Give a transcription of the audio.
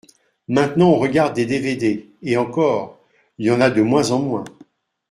maintenant on regarde des dévédés. Et encore, y’en a de moins en moins